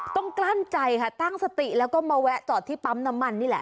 ต้องกล้ามใจตั้งสติมาแวะจอดที่ปั๊มน้ำมันนี่แหละ